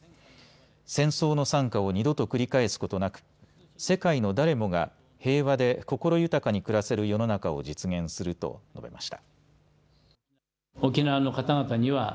戦争の惨禍を二度と繰り返すことなく、世界の誰もが平和で心豊かに暮らせる世の中を実現すると述べました。